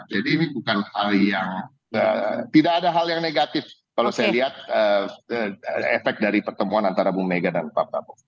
jadi ini bukan hal yang tidak ada hal yang negatif kalau saya lihat efek dari pertemuan antara bu mega dan pak prabowo